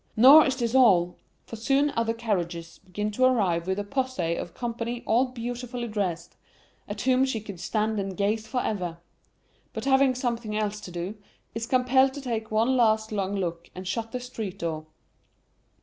Nor is this all, for soon other carriages begin to arrive with a posse of company all beautifully dressed, at whom she could stand and gaze for ever; but having something else to do, is compelled to take one last long look and shut the street door.